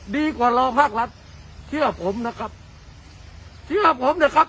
ดีกว่าเราภาครัฐเชื่อผมนะครับเชื่อผมนะครับ